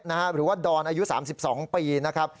หรือว่าดอนอายุ๓๒ปี